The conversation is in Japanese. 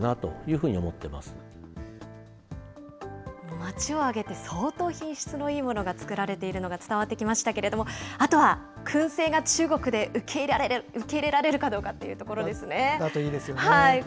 町を挙げて、相当品質のいいものが作られているのが伝わってきましたけれども、あとはくん製が中国で受け入れられるかどうかっていうところですだといいですよね。